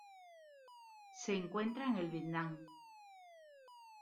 Se encuentra en el Vietnam.